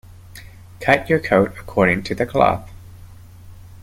Cut your coat according to the cloth.